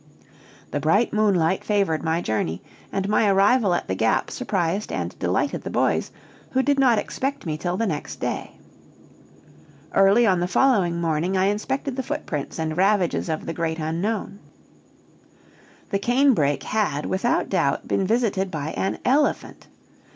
The bright moonlight favored my journey, and my arrival at the Gap surprised and delighted the boys, who did not expect me till the next day. Early on the following morning I inspected the footprints and ravages of the great unknown. The cane brake had, without doubt, been visited by an elephant.